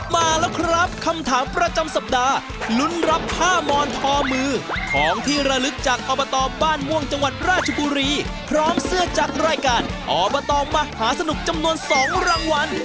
มาแล้วครับคำถามประจำสัปดาห์ลุ้นรับผ้ามอนทอมือของที่ระลึกจากอบตบ้านม่วงจังหวัดราชบุรีพร้อมเสื้อจากรายการอบตมหาสนุกจำนวน๒รางวัล